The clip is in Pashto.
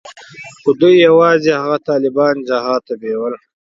خو دوى يوازې هغه طالبان جهاد ته بيول.